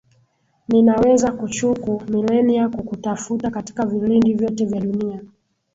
Ninaweza kuchuku milenia kukutafuta katika vilindi vyote vya dunia.